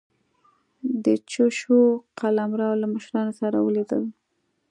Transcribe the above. د چوشو قلمرو له مشرانو سره ولیدل.